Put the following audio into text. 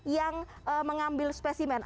yang mengambil spesimen